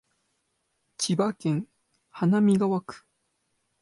千葉市花見川区